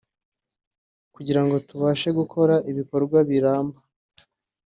kugira ngo tubashe gukora ibikorwa biramba